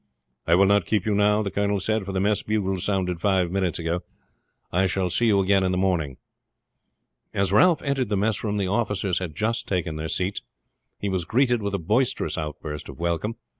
"I will not keep you now," the colonel said, "for the mess bugle sounded five minutes ago. I shall see you again in the morning." As Ralph entered the messroom the officers had just taken their seats. He was greeted with a boisterous outburst of welcome.